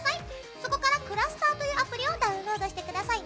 そこからｃｌｕｓｔｅｒというアプリをダウンロードしてください。